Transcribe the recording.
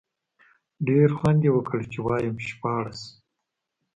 ډېر خوند یې وکړ، چې وایم شپاړس.